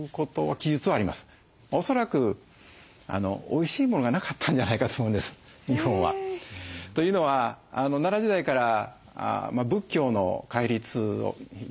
恐らくおいしいものがなかったんじゃないかと思うんです日本は。というのは奈良時代から仏教の戒律を非常に厳しく守って獣の肉を食べないと。